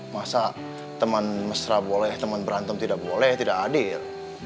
masa teman mesra boleh teman berantem tidak boleh tidak hadir